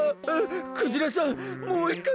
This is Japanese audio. クジラさんもう１かい